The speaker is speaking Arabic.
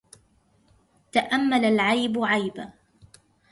تأمل العيب عيب